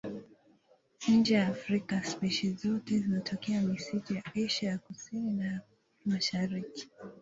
Nje ya Afrika spishi zote zinatokea misitu ya Asia ya Kusini na ya Mashariki.